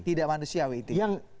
tidak manusiawi itu